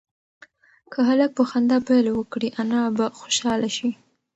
که هلک په خندا پیل وکړي انا به خوشحاله شي.